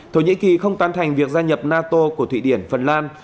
thổ nhĩ kỳ không tán thành việc gia nhập nato của thụy điển phần lan